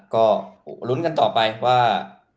ก็ลุ้นกันต่อไปว่า